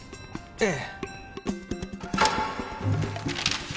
ええ。